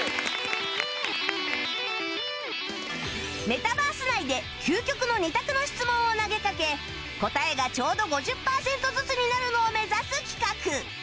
メタバース内で究極の２択の質問を投げかけ答えがちょうど５０パーセントずつになるのを目指す企画